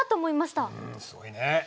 すごいね。